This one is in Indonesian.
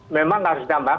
memang harus ditambah